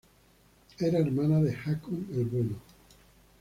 Era hermano de Haakon el Bueno.